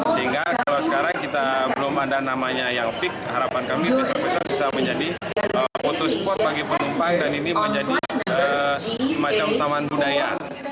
sehingga kalau sekarang kita belum ada namanya yang fik harapan kami besok besok bisa menjadi foto spot bagi penumpang dan ini menjadi semacam taman budaya